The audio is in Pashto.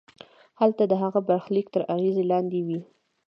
هلته د هغه برخلیک تر اغېز لاندې وي.